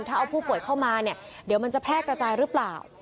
ถ้าเอาผู้ป่วยเข้ามาเนี่ยเดี๋ยวมันจะแพร่กระจายหรือเปล่า